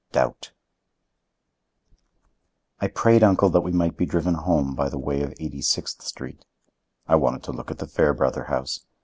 DOUBT I prayed uncle that we might be driven home by the way of Eighty sixth Street. I wanted to look at the Fairbrother house.